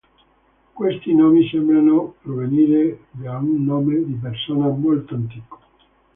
Questi nomi sembrano provenire da un nome di persona molto antico.